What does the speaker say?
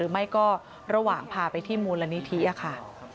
ไม่ก็ระหว่างพาไปที่มูลนิธิค่ะ